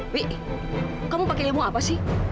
wik kamu pakai nyamuk apa sih